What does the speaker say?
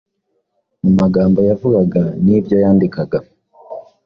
Mu magambo yavugaga n’ibyo yandikaga